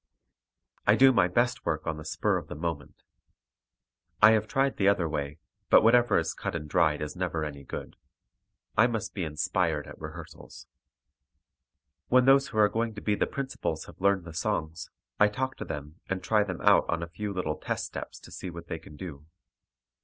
I do my best work on the spur of the moment. I have tried the other way, but whatever is cut and dried is never any good. I must be inspired at rehearsals. When those who are going to be the principals have learned the songs, I talk to them and try them out on a few little test steps to see what they can do.